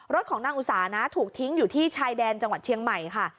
ของนางอุสานะถูกทิ้งอยู่ที่ชายแดนจังหวัดเชียงใหม่ค่ะ